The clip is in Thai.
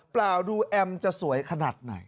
เปล่าดูแอมจะสวยขนาดไหน